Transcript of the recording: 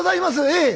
ええ。